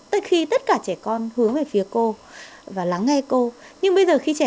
tất cả trẻ con hướng về phía cô và lắng nghe cô